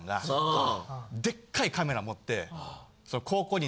でっかいカメラ持って高校に。